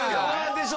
でしょ？